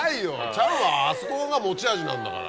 チャンはあそこが持ち味なんだから。